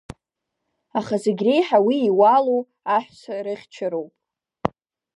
Аха зегь реиҳа уи иуалу аҳәса рыхьчароуп…